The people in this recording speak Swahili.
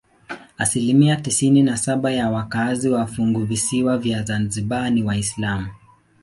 Asilimia tisini na saba ya wakazi wa funguvisiwa vya Zanzibar ni Waislamu.